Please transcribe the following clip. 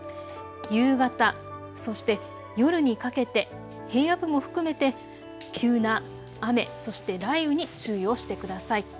夕方、そして夜にかけて平野部も含めて急な雨、そして雷雨に注意をしてください。